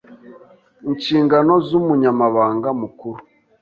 Inshingano z’Umunyamabanga Mukuru